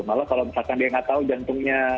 malah kalau misalkan dia nggak tahu jantungnya